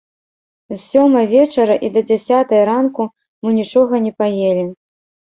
З сёмай вечара і да дзясятай ранку мы нічога не паелі.